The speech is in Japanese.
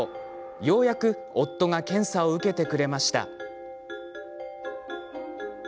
ようやく夫が検査を受けてくれました。